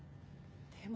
でも。